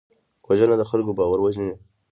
وژنه د خلکو باور وژني